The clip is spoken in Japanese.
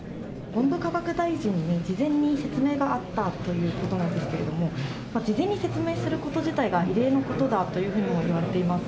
文部科学大臣に事前に説明があったということなんですけれども、事前に説明すること自体が異例なことだというふうにもいわれています。